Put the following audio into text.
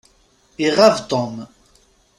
Iɣab Tom.